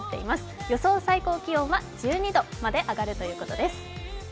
最高気温は１２度まで上がるということです。